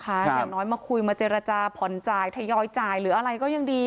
อย่างน้อยมาคุยมาเจรจาผ่อนจ่ายทยอยจ่ายหรืออะไรก็ยังดี